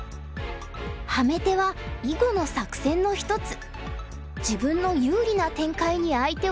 ハメ手は囲碁の作戦の一つ。